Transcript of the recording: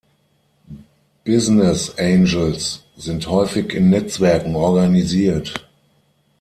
Business Angels sind häufig in Netzwerken organisiert.